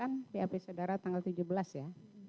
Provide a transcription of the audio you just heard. ini saya bacakan pap saudara tanggal tujuh belas ya